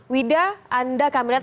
wida anda kami melihat